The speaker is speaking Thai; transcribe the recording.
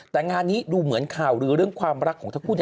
แต่งานนี้ดูเหมือนข่าวลือเรื่องความรักของทั้งคู่